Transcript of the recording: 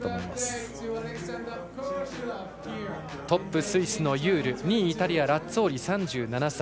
トップスイスのユール２位、イタリアのラッツォーリ。